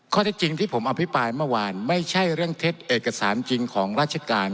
ข้อเท็จจริงที่ผมอภิปรายเมื่อวานไม่ใช่เรื่องเท็จเอกสารจริงของราชการ